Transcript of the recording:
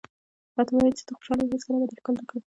راته ووایه چې ته خوشحاله یې، هېڅکله به دې ښکل نه کړم.